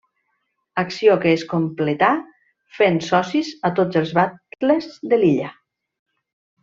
Acció que es completà fent socis a tots els batles de l'illa.